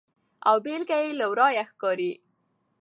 او بیلګه یې له ورایه ښکاري.